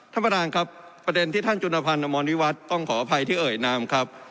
ท่านประธานครับประเด็นที่ท่านจุนพันธ์อมรวิวัตรต้องขออภัยที่เอ่ยนามครับ